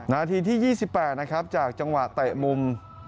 นาทีที่๒๘นะครับจากจังหวะเตะมุม